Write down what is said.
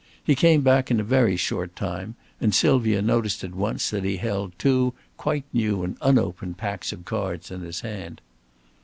He came back in a very short time, and Sylvia noticed at once that he held two quite new and unopened packs of cards in his hand.